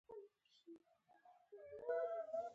هغه د فریدګل کتابچه د میز په المارۍ کې کېښوده